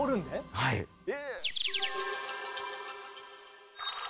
はい！え！